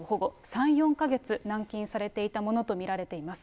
３、４か月、軟禁されていたものと見られています。